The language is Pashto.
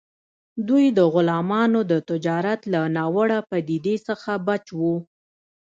دوی د غلامانو د تجارت له ناوړه پدیدې څخه بچ وو.